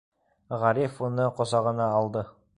Ғариф уны ҡосағына алды.